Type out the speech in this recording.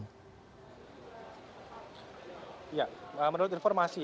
ya menurut informasi yang saya peroleh bahwa restoran berada di pancasila